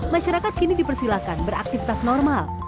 masyarakat kini dipersilahkan beraktifitas normal